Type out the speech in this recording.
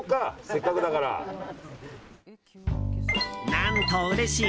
何と、うれしい！